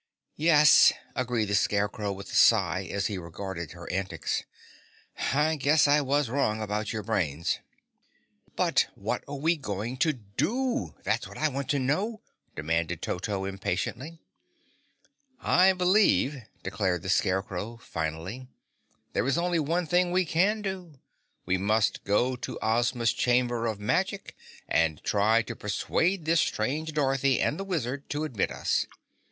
"Yes," agreed the Scarecrow with a sigh as he regarded her antics, "I guess I was wrong about your brains." "But what are we going to do? That's what I want to know," demanded Toto impatiently. "I believe," declared the Scarecrow finally, "there is only one thing we can do. We must go to Ozma's Chamber of Magic and try to persuade this strange Dorothy and the Wizard to admit us.